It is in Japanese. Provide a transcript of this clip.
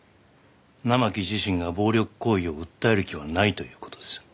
生木自身が暴力行為を訴える気はないという事です。